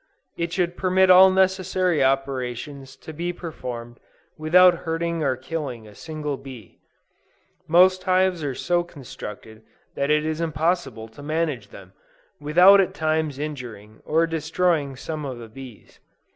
It should permit all necessary operations to be performed without hurting or killing a single bee. Most hives are so constructed that it is impossible to manage them, without at times injuring or destroying some of the bees.